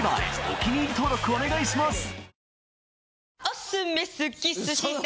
お気に入り登録お願いします